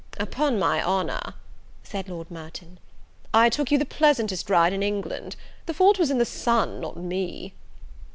"Upon my honour," said Lord Merton, "I took you the pleasantest ride in England, the fault was in the sun, not me."